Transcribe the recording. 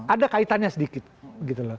ada kaitannya sedikit